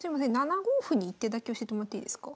７五歩に１手だけ教えてもらっていいですか？